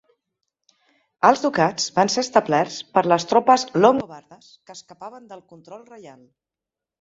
Els ducats van ser establerts per les tropes longobardes que escapaven del control reial.